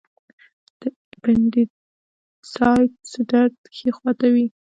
د اپنډیسایټس درد ښي خوا ته وي.